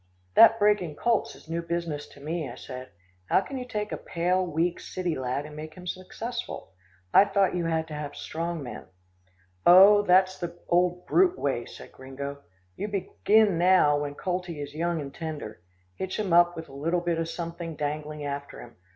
"That breaking colts is new business to me," I said. "How can you take a pale, weak, city lad and make him successful? I thought you had to have strong men." "Oh, that's the old brute way," said Gringo. "You begin now when coltie is young and tender. Hitch him up with a little bit of something dangling after him.